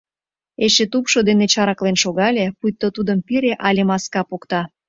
Эше тупшо дене чараклен шогале, пуйто тудым пире але маска покта.